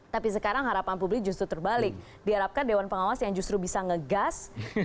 tapi sekarang harapan publik justru terbalik diharapkan dewan pengawas yang justru bisa ngegas